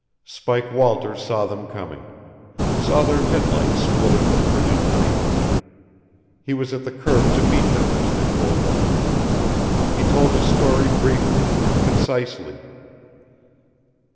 Spike Walters saw them coming saw their headlights splitting the frigid night. He was at the curb to meet them as they pulled up. He told his story briefly and concisely.